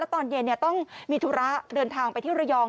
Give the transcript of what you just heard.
ตอนเย็นต้องมีธุระเดินทางไปที่ระยอง